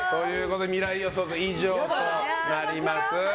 未来予想図、以上となります。